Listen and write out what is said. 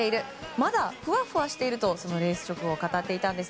まだ、ふわふわしているとそのレース直後に語っていたんです。